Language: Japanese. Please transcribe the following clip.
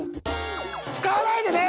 使わないでね！